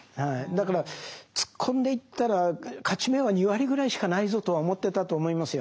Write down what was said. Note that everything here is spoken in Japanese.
だから突っ込んでいったら勝ち目は２割ぐらいしかないぞとは思ってたと思いますよ。